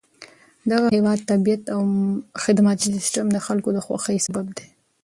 دغه هېواد طبیعت او خدماتي سیستم د خلکو د خوښۍ سبب دی.